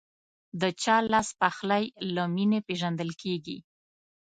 د چا لاسپخلی له مینې پیژندل کېږي.